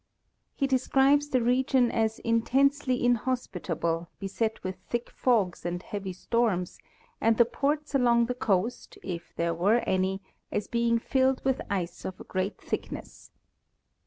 He describes the region as in tensely inhospitable, beset with thick fogs and heavy storms, and the ports along the coast, if there were any, as being filled with ice of a great thickness.